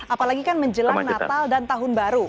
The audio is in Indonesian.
apalagi kan menjelang natal dan tahun baru